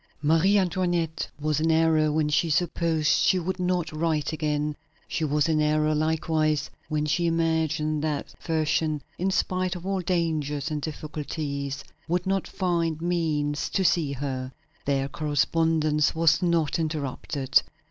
Marie Antoinette was in error when she supposed she would not write again. She was in error, likewise, when she imagined that Fersen, in spite of all dangers and difficulties, would not find means to see her again. Their correspondence was not interrupted.